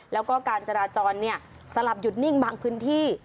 แล้วก็การจราจรสลับหยุดนิ่งบางพื้นที่